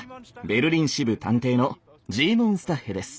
ベルリン支部探偵のジーモン・スタッヘです。